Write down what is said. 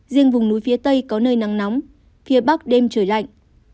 riêng vùng núi phía tây có nơi nắng nóng phía bắc đêm trời lạnh